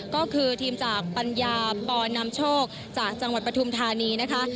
ก็คือทีมจากปัญญาปอนำโชคจากจังหวัดปฐุมธานีนะคะ